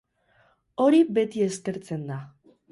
Hori beti eskertzen da.